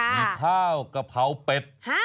มีข้าวกะเพราเป็ด